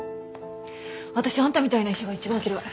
あたしあんたみたいな医者が一番嫌い。